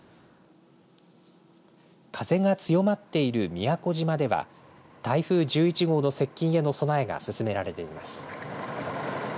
風が強まっている宮古島では台風１１号への接近への備えが進められています。